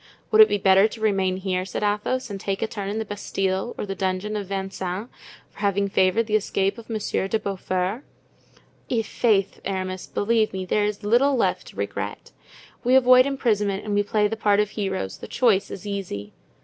"Would it be better to remain here," said Athos, "and take a turn in the Bastile or the dungeon of Vincennes for having favored the escape of Monsieur de Beaufort? I'faith, Aramis, believe me, there is little left to regret. We avoid imprisonment and we play the part of heroes; the choice is easy."